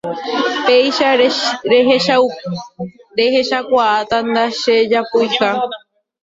péicha rehechakuaáta ndachejapuiha